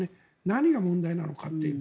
何が問題なのかという。